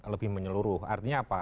lebih menyeluruh artinya apa